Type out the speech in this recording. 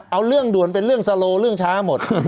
เอาเรื่องด่วนเป็นเรื่องสโลเรื่องช้าหมด